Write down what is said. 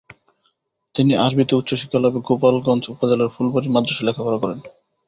তিনি আরবীতে উচ্চ শিক্ষা লাভে গোলাপগঞ্জ উপজেলার ফুলবাড়ি মাদ্রাসায় লেখাপড়া করেন।